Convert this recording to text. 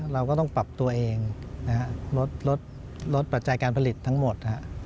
เราก็ต้องปรับตัวเองลดปัจจัยการผลิตทั้งหมด